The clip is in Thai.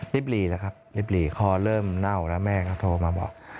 หลีแล้วครับลิบหลีคอเริ่มเน่าแล้วแม่ก็โทรมาบอก